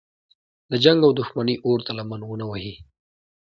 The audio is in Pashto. د جنګ او دښمنۍ اور ته لمن ونه وهي.